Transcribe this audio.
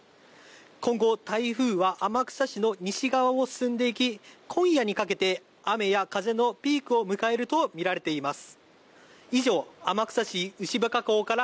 今後、台風は天草市の西側を進んでいき、今夜にかけて雨や風のピークを迎えるとみられています。